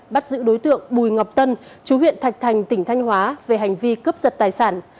bắt giữ đối tượng bùi ngọc tân chú huyện thạch thành tỉnh thanh hóa về hành vi cướp giật tài sản